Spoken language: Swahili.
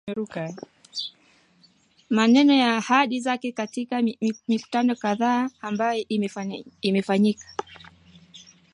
maneno na ahadi zake katika mikutano kadhaa ambayo imefanyika